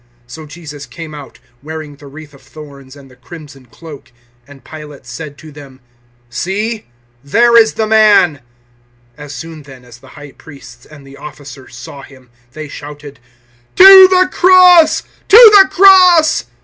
019:005 So Jesus came out, wearing the wreath of thorns and the crimson cloak. And Pilate said to them, "See, there is the man." 019:006 As soon then as the High Priests and the officers saw Him, they shouted "To the cross! To the cross!"